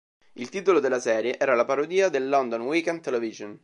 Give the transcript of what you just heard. Il titolo della serie era la parodia del London Weekend Television.